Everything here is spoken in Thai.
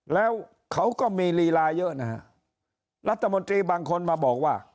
แล้วเขาก็มีลีลาเยอะนะฮะรัฐมนตรีบางคนมาบอกว่า